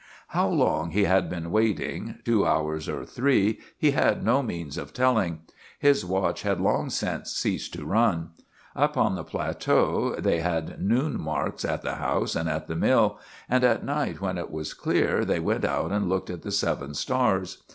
How long he had been waiting, two hours or three, he had no means of telling. His watch had long since ceased to run. Up on the plateau they had noon marks at the house and at the mill, and at night, when it was clear, they went out and looked at the seven stars.